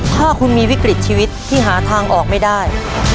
ถ้าคุณมีวิกฤตชีวิตที่หาทางออกไม่ได้